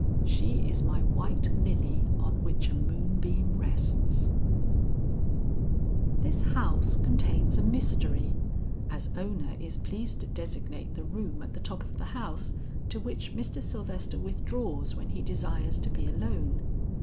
She is my white lily on which a moonbeam rests." "This house contains a mystery, as Ona is pleased to designate the room at the top of the house to which Mr. Sylvester withdraws when he desires to be alone.